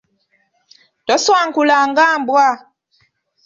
Toswankula nga mbwa.